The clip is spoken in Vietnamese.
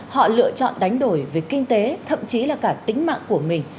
họ lựa chọn đánh đổi về kinh tế thậm chí là cả tính mạng của mình